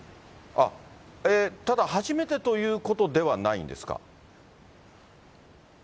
ただ初めてということではないんですか。